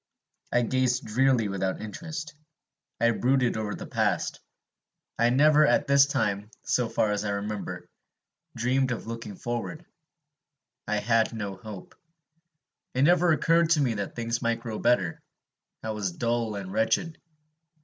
I gazed drearily without interest. I brooded over the past; I never, at this time, so far as I remember, dreamed of looking forward. I had no hope. It never occurred to me that things might grow better. I was dull and wretched.